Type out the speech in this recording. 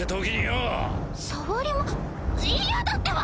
嫌だってば！